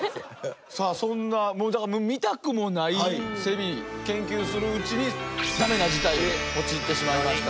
さあそんなもうだから見たくもないセミ研究するうちにだめな事態に陥ってしまいました。